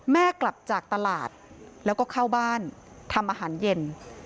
กลับจากตลาดแล้วก็เข้าบ้านทำอาหารเย็น